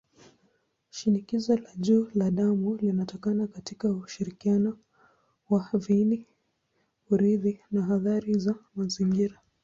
Shinikizo la juu la damu linatokana katika ushirikiano wa viini-urithi na athari za mazingira.